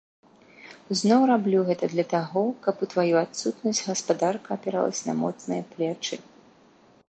Зноў раблю гэта для таго, каб у тваю адсутнасць гаспадарка апіралася на моцныя плечы.